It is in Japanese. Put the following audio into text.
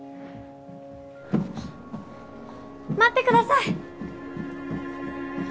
待ってください。